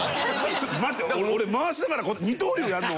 ちょっと待って俺回しながら二刀流やるの？